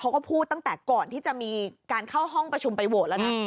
เขาก็พูดตั้งแต่ก่อนที่จะมีการเข้าห้องประชุมไปโหวตแล้วนะ